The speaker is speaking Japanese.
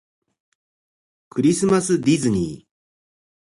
クリスマスディズニー